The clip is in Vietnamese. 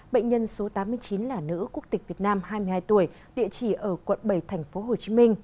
bệnh nhân số tám mươi chín là nữ quốc tịch việt nam hai mươi hai tuổi địa chỉ ở quận bảy tp hcm